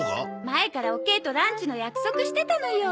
前からおケイとランチの約束してたのよ。